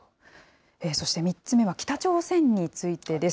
そして３つ目は、北朝鮮についてです。